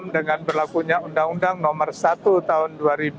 dengan berlakunya undang undang nomor satu tahun dua ribu dua